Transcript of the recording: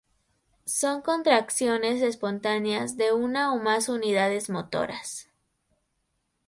Son contracciones espontáneas de una o más unidades motoras.